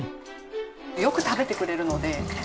よく食べてくれるので。